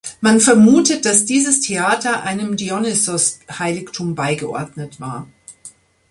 Man vermutet, dass dieses Theater einem Dionysos-Heiligtum beigeordnet war.